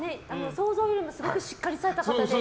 想像よりもすごくしっかりされた方で。